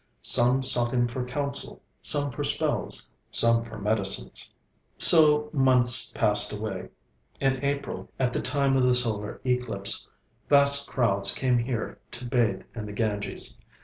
Some sought him for counsel, some for spells, some for medicines. So months passed away. In April, at the time of the solar eclipse, vast crowds came here to bathe in the Ganges.